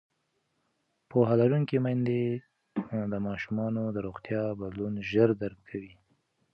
پوهه لرونکې میندې د ماشومانو د روغتیا بدلون ژر درک کوي.